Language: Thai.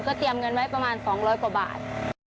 ก็เตรียมเงินไว้ประมาณ๒๐๐บาท